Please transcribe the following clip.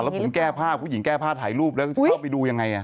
แล้วผมแก้ผ้าผู้หญิงแก้ผ้าถ่ายรูปแล้วเข้าไปดูยังไง